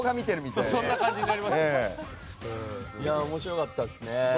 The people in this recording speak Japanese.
面白かったですね。